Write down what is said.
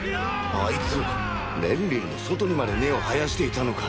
あいつレンリルの外にまで根を生やしていたのか！！